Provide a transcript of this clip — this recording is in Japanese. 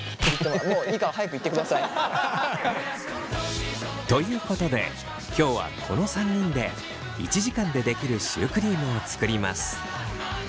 もういいから早く行ってください。ということで今日はこの３人で１時間でできるシュークリームを作ります。